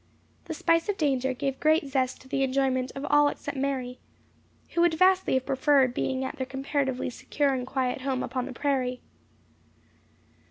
The spice of danger gave great zest to the enjoyment of all except Mary, who would vastly have preferred being at their comparatively secure and quiet home upon the prairie.